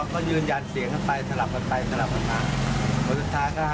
ก็ยืนยานเสียงเข้าไปสลับเข้าไปสลับเข้ามา